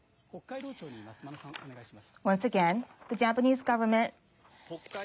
北海道庁にいます眞野さん、お願いします。